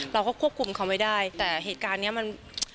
เราก็ควบคุมเขาไม่ได้แต่เหตุการณ์เนี้ยมัน